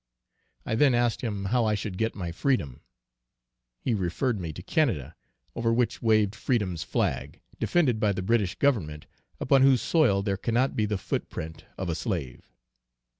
I then asked him how I should get my freedom? He referred me to Canada, over which waved freedom's flag, defended by the British Government, upon whose soil there cannot be the foot print of a slave.